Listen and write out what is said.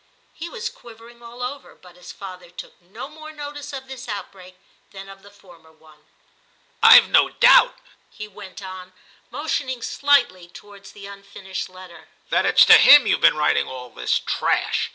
He was quivering all over, but his father took no more notice of this outbreak than of the former one. X TIM 217 'IVe no doubt/ he went on, motioning slightly towards the unfinished letter, 'that it s to him youVe been writing all this trash.